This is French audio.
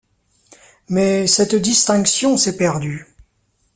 Mais cette distinction s'est perdue.